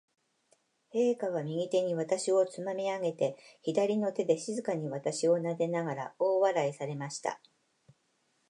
陛下は、右手に私をつまみ上げて、左の手で静かに私をなでながら、大笑いされました。